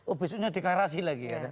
oh besoknya deklarasi lagi